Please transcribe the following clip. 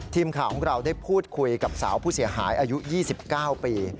ทีมข่าวของเราได้พูดคุยกับสาวผู้เสียหายอายุ๒๙ปี